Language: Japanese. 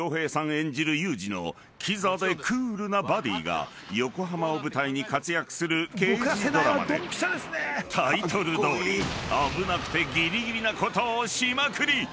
演じるユージのきざでクールなバディが横浜を舞台に活躍する刑事ドラマでタイトルどおり危なくてぎりぎりなことをしまくり］